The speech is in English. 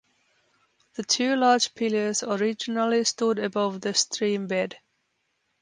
The two large pillars originally stood above the streambed.